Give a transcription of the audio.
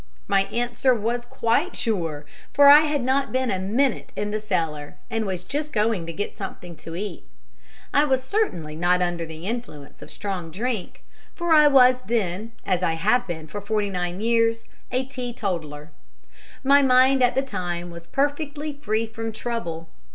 My answer was quite sure, for I had not been a minute in the cellar, and was just going to get something to eat. I was certainly not under the influence of strong drink, for I was then, as I have been for forty nine years, a teetotaler. My mind at the time was perfectly free from trouble.